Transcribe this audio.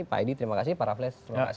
pak edi terima kasih pak raffles terima kasih